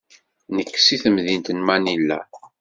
Nekk seg temdint n Manila.